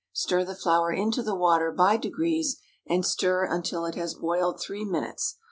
Stir the flour into the water by degrees, and stir until it has boiled three minutes.